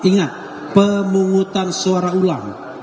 ingat pemungutan suara ulang